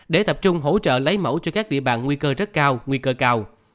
để tập trung hỗ trợ lấy mẫu cho các địa bàn nguy cơ rất cao nguy cơ cao